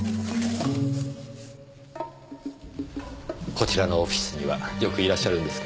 こちらのオフィスにはよくいらっしゃるんですか？